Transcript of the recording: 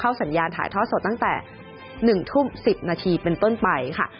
สัญญาณถ่ายทอดสดตั้งแต่๑ทุ่ม๑๐นาทีเป็นต้นไปค่ะ